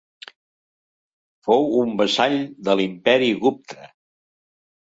Fou un vassall de l'Imperi Gupta.